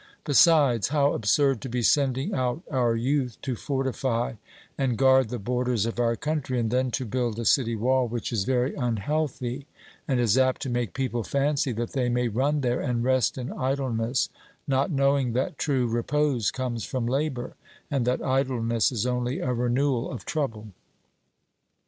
Besides, how absurd to be sending out our youth to fortify and guard the borders of our country, and then to build a city wall, which is very unhealthy, and is apt to make people fancy that they may run there and rest in idleness, not knowing that true repose comes from labour, and that idleness is only a renewal of trouble.